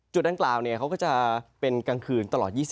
จุดด้านกลางเขาก็จะเป็นกลางคืนตลอด๒๔ชั่วโมง